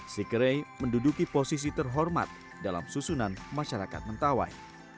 sikere menduduki posisi terhormat dalam susunan masyarakat mentawai